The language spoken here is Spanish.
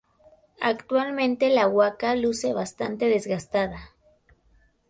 Actualmente la huaca luce bastante desgastada.